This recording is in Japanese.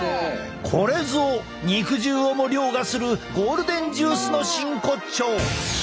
これぞ肉汁をも凌駕するゴールデンジュースの真骨頂！